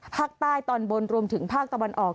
ภาคใต้ตอนบนรวมถึงภาคตะวันออก